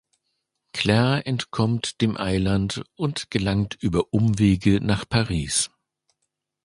Claire entkommt dem Eiland und gelangt über Umwege nach Paris.